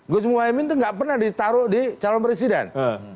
gus muwaimin itu tidak pernah ditaruh di calon presiden